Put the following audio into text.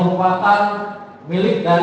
pada pintu sebelah kiri